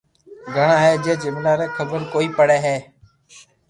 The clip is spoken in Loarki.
گھِڙا ھي جي جملئ ري خبر ڪوئي پڙي ھي